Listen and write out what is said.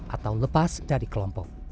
atau lepas dari kelompok